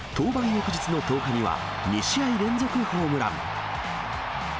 翌日の１０日には、２試合連続ホームラン。